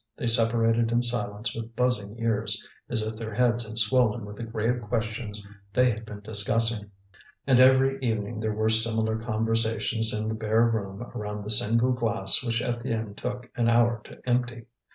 They separated in silence with buzzing ears, as if their heads had swollen with the grave questions they had been discussing. And every evening there were similar conversations in the bare room around the single glass which Étienne took an hour to empty.